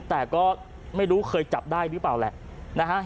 แต่ก็ไม่รู้เคยจับได้หรือเปล่าแหละนะฮะ